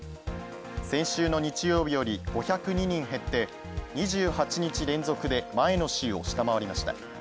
先週の日曜日より５０２人減って２８日連続で前の週を下回りました。